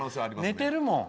寝てるもん。